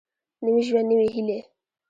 نوی ژوند نوي هېلې